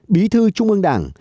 bí thư trung ương đảng